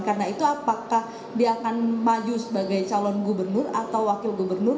karena itu apakah dia akan maju sebagai calon gubernur atau wakil gubernur